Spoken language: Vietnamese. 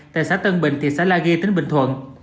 tại xã tân bình thị xã la ghi tỉnh bình thuận